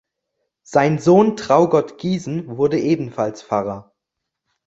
Sein Sohn Traugott Giesen wurde ebenfalls Pfarrer.